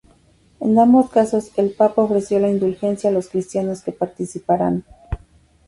En ambos casos el papa ofreció la Indulgencia a los cristianos que participaran.